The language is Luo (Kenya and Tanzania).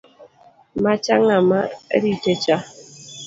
Macha ng’a maritecha